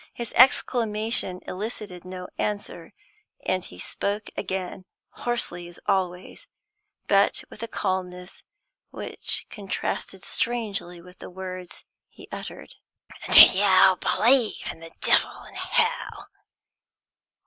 His exclamation elicited no answer, and he spoke again, hoarsely as always, but with a calmness which contrasted strangely with the words he uttered. "Do you believe in the devil and hell?"